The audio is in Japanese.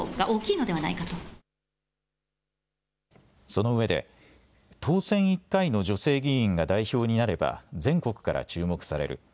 そのうえで当選１回の女性議員が代表になれば全国から注目される。